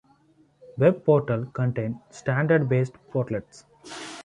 Web Portal contains standard-based portlets.